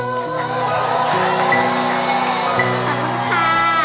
ขอบคุณค่ะ